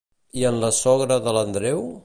I en la sogra de l'Andreu?